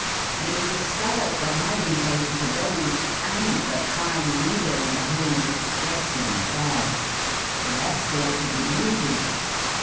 We've discovered the hiding place of the gold and the prime leader in the whole distressing affair. The rest ought to be easy."